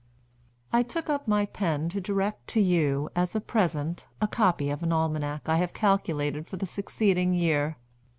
"I took up my pen to direct to you, as a present, a copy of an Almanac I have calculated for the succeeding year.